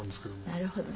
なるほど。